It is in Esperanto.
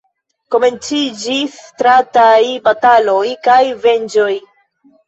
Komenciĝis strataj bataloj kaj venĝoj.